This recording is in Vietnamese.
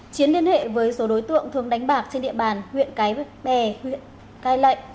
chiến liên hệ với số đối tượng thường đánh bạc trên địa bàn huyện cái bè huyện cai lệ